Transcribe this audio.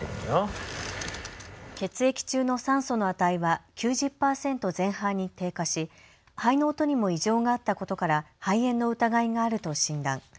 血液中の酸素の値は９０％前半に低下し肺の音にも異常があったことから肺炎の疑いがあると診断。